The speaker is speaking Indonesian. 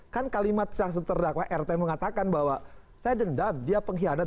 kan kalimat saksi terdakwa rt mengatakan bahwa saya dendam dia pengkhianat